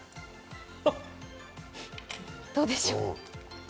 どうでしょう？